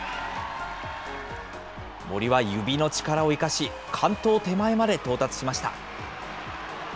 森は指の力を生かし、完登手前まで到達しました。